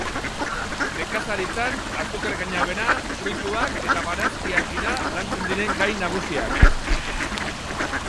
Nekazaritzan azukre-kanabera, fruituak eta barazkiak dira lantzen diren gai nagusiak.